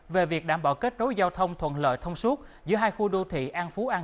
về việc đảm bảo kết đối xử với các nhà khoa học